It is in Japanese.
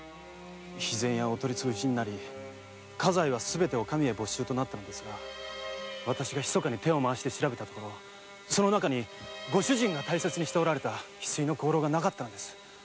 肥前屋はお取りつぶしとなり家財は没収となりましたがひそかに手を回して調べたところその中にご主人が大切にしていたヒスイの香炉がなかったのです。